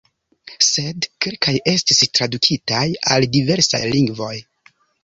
Sed kelkaj estis tradukitaj al diversaj lingvoj.